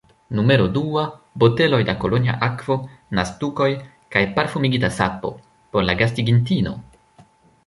Numero dua: Boteloj da kolonja akvo, naztukoj kaj parfumigita sapo; por la gastigintino.